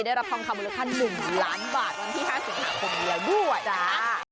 จะได้รับทองคำวิลค่า๑ล้านบาทวันที่๕สัปดาห์คนเดียวด้วยนะคะ